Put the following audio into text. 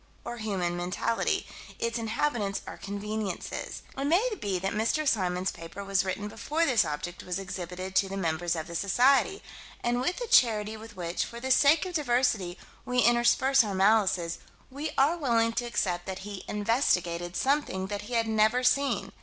Or human mentality: its inhabitants are conveniences. It may be that Mr. Symons' paper was written before this object was exhibited to the members of the Society, and with the charity with which, for the sake of diversity, we intersperse our malices, we are willing to accept that he "investigated" something that he had never seen.